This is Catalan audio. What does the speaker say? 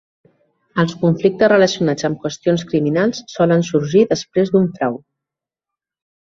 Els conflictes relacionats amb qüestions criminals solen sorgir després d'un frau.